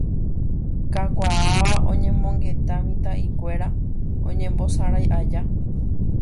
Kakuaáva oñemongeta mitã'ikuéra oñembosarái aja